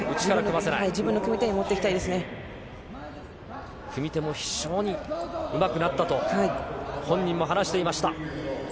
自分の組み手に持っていきた組み手も非常にうまくなったと、本人も話していました。